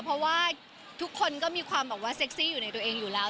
เพราะว่าทุกคนก็มีความแบบว่าเซ็กซี่อยู่ในตัวเองอยู่แล้ว